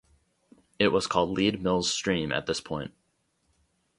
It was called Lead Mills Stream at this point.